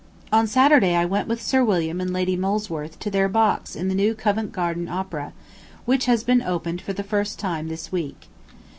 ... On Saturday I went with Sir William and Lady Molesworth to their box in the new Covent Garden opera, which has been opened for the first time this week.